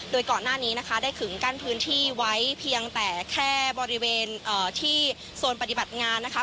โดยก่อนหน้านี้นะคะได้ขึงกั้นพื้นที่ไว้เพียงแต่แค่บริเวณที่โซนปฏิบัติงานนะคะ